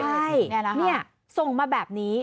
ใช่นี่ส่งมาแบบนี้